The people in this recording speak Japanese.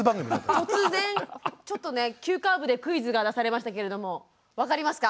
突然ちょっとね急カーブでクイズが出されましたけれども分かりますか？